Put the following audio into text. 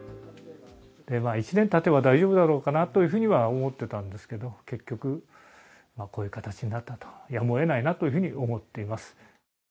１年たてば大丈夫だろうかなとは思ってたんですけど、結局、こういう形になったと、やむをえないというふうに思っています。